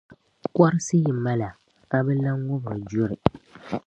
Kɔrisi yi mali a, a bi lan ŋubiri juri.